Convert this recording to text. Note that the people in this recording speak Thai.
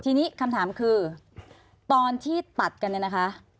ทีนี้คำถามคือตอนที่ตัดกันเนี่ยนะคะ